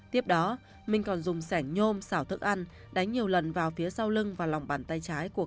tiếp đó mình còn dùng sẻ nhôm xảo thức ăn đánh nhiều lần vào phía sau lưng và lòng bàn tay